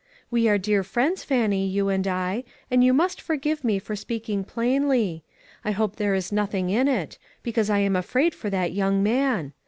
We are dear friends, Fannie, you and I, and you must forgive me for speaking plainly. I hope there is nothing in it; because I am afraid for that young man.